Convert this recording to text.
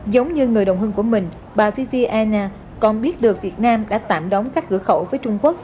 giống như người đồng hương của mình bà viviana còn biết được việt nam đã tạm đóng các cửa khẩu với trung quốc